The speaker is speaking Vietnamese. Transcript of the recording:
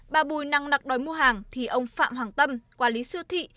bà bùi năng nặc đòi mua hàng thì ông phạm hoàng tâm quản lý siêu thị